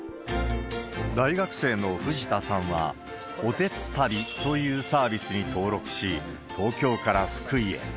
大学生の藤田さんは、おてつたびというサービスに登録し、東京から福井へ。